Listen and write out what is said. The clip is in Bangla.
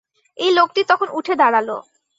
এই লোকটি তখন উঠে দাঁড়াল।